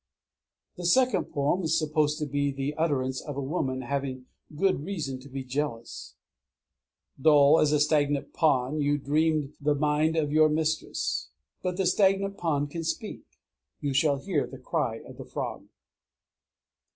_ The second poem is supposed to be the utterance of a woman having good reason to be jealous: _Dull as a stagnant pond you deemed the mind of your mistress; But the stagnant pond can speak: you shall hear the cry of the frog!